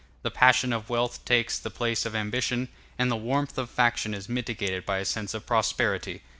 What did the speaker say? The passion of wealth takes the place of ambition, and the warmth of faction is mitigated by a sense of prosperity.